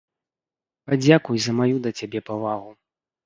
Падзякуй за маю да цябе павагу.